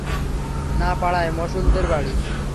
ন-পাড়ায়, মণ্ডলদের বাড়ি?